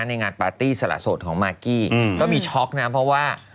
ในงานปาร์ตี้สละโสดของมากกี้ก็มีช็อกนะเพราะว่า